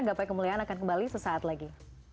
gapai kemuliaan akan kembali sesaat lagi